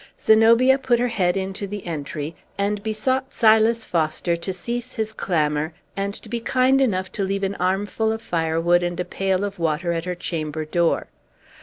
Zenobia put her head into the entry, and besought Silas Foster to cease his clamor, and to be kind enough to leave an armful of firewood and a pail of water at her chamber door.